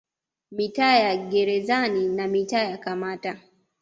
Mitaa ya Gerezani na mitaa ya Kamata